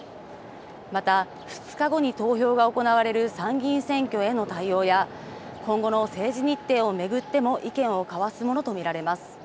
また２日後に投票が行われる参議院選挙への対応や今後の政治日程を巡っても意見を交わすものと見られます。